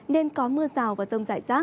nên có mưa rào và rông giải rác